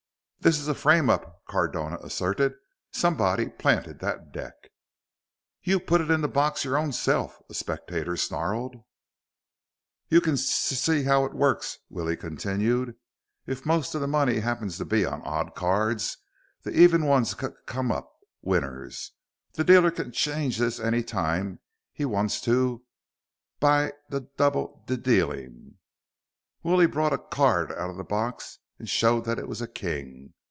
"This is a frame up!" Cardona asserted. "Somebody planted that deck!" "You put it in the box your own self," a spectator snarled. "You can s see how it works," Willie continued. "If most of the money happens to be on odd cards, the even ones c come up winners. The dealer can ch change this any time he wants by d double d dealing." Willie brought a card out of the box and showed that it was a king.